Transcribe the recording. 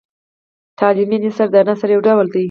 تعلیمي نثر د نثر یو ډول دﺉ.